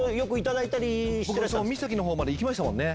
三崎の方まで行きましたもんね。